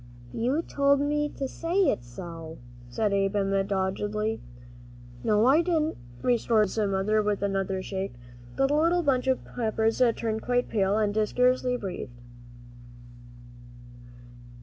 "You told me to say it so," said Ab'm, doggedly. "No, I didn't," retorted his mother with another shake. The little bunch of Peppers turned quite pale, and scarcely breathed.